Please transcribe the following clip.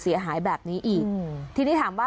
แต่ละเจ้าก็โดนกันไป